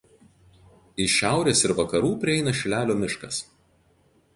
Iš šiaurės ir vakarų prieina Šilelio miškas.